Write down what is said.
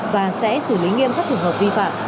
và sẽ xử lý nghiêm các trường hợp vi phạm